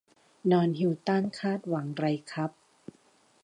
นอนฮิลตันคาดหวังไรครับ